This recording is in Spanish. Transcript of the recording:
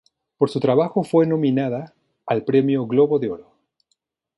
Por su trabajo fue nominada al premio Globo de Oro.